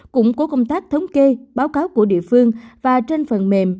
củng cố công tác thống kê báo cáo của địa phương và trên phần mềm